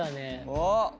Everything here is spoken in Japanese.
おっ！